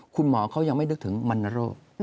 คุณหมอเขายังไม่นึกถึงมรณโรค